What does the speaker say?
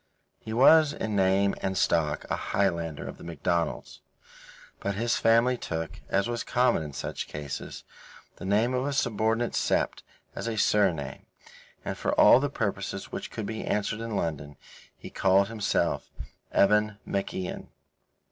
He was in name and stock a Highlander of the Macdonalds; but his family took, as was common in such cases, the name of a subordinate sept as a surname, and for all the purposes which could be answered in London, he called himself Evan MacIan.